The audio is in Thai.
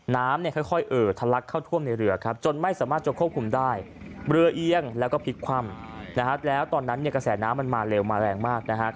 น้ำเนี่ยค่อยเอ่อทะลักเข้าท่วมในเรือครับจนไม่สามารถจะควบคุมได้เรือเอียงแล้วก็พลิกคว่ำนะฮะแล้วตอนนั้นเนี่ยกระแสน้ำมันมาเร็วมาแรงมากนะครับ